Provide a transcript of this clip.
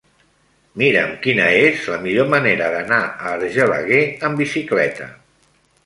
Mira'm quina és la millor manera d'anar a Argelaguer amb bicicleta.